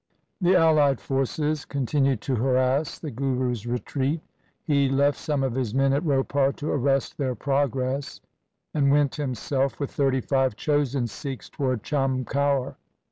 The allied forces continued to harass the Guru's retreat. He left some of his men at Ropar to arrest their progress, and went himself with thirty five chosen Sikhs towards Chamkaur.